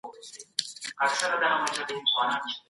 لويه جرګه به اساسي قانون تعديل کړي.